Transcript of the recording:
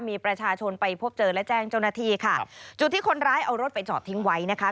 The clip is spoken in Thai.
มีประชาชนไปพบเจอและแจ้งเจ้าหน้าที่ค่ะจุดที่คนร้ายเอารถไปจอดทิ้งไว้นะคะ